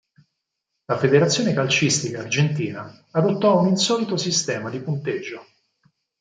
La federazione calcistica argentina adottò un insolito sistema di punteggio.